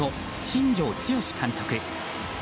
新庄剛志監督。